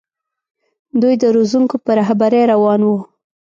دوی د روزونکو په رهبرۍ روان وو.